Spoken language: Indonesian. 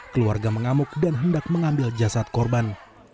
keluarga mengamuk dan hendak mengambil jasad korban